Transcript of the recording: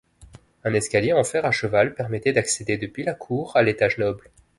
Un escalier en fer à cheval permettait d'accédait depuis la cour à l'étage noble.